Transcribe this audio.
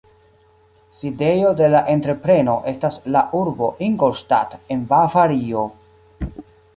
Sidejo de la entrepreno estas la urbo Ingolstadt en Bavario.